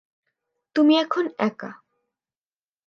তুমি এখন একা।